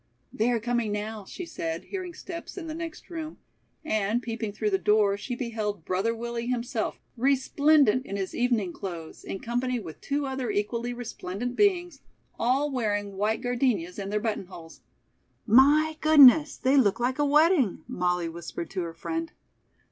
"They are coming now," she said, hearing steps in the next room; and, peeping through the door, she beheld "Brother Willie" himself, resplendent in his evening clothes, in company with two other equally resplendent beings, all wearing white gardenias in their buttonholes. "My goodness, they look like a wedding!" Molly whispered to her friend.